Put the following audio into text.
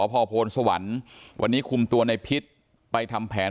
พอโพลสวรรค์วันนี้คุมตัวในพิษไปทำแผน